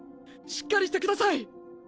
しっかりしてください！